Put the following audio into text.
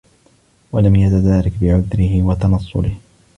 وَلَمْ يَتَدَارَكْ بِعُذْرِهِ وَتَنَصُّلِهِ